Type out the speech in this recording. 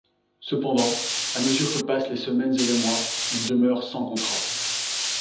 Cependant, à mesure que passent les semaines et les mois, il demeure sans contrat.